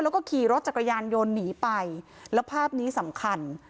แล้วก็ขี่รถจักรยานยนต์หนีไปแล้วภาพนี้สำคัญ